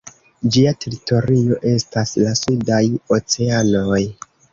Ĝia teritorio estas la sudaj oceanoj.